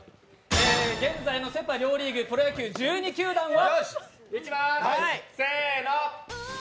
現在のプロ野球セ・パ両リーグプロ野球１２球団は？